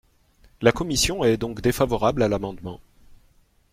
La commission est donc défavorable à l’amendement.